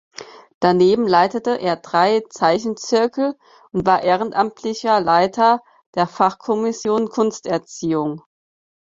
Daneben leitete er drei Zeichenzirkel und war ehrenamtlicher Leiter der Fachkommission Kunsterziehung.